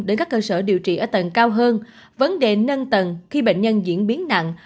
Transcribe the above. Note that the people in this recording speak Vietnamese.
đến các cơ sở điều trị ở tầng cao hơn vấn đề nâng tầng khi bệnh nhân diễn biến nặng